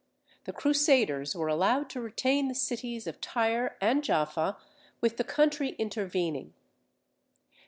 The Crusaders were allowed to retain the cities of Tyre and Jaffa, with the country intervening.